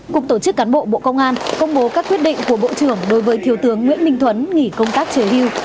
cục tổ chức cán bộ bộ công an công bố các quyết định của bộ trưởng đối với thiếu tướng nguyễn minh thuấn nghỉ công tác trở đi